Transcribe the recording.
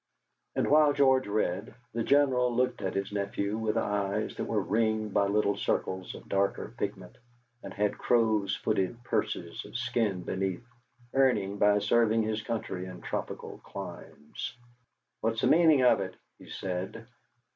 And while George read the General looked at his nephew with eyes that were ringed by little circles of darker pigment, and had crow's footed purses of skin beneath, earned by serving his country in tropical climes. "What's the meaning of it?" he said.